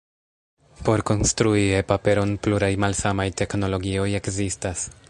Por konstrui e-paperon, pluraj malsamaj teknologioj ekzistas.